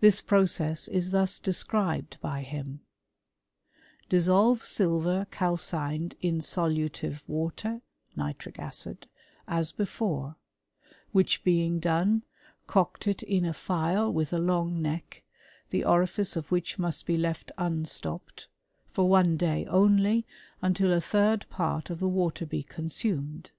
This process is thus described by him :*^ Dis solve silver calcined in solutive water (nitric acid), as before ; which being done, coct it in a phial with a long neck, the orifice of which must be left unstopped, for one day only, until a third part of the water be consumed.